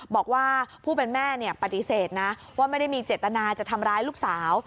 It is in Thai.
บอกว่าผู้เป็นแม่ปฏิเสธนะว่าไม่ได้มีเจตนาจะทำร้ายลูกสาว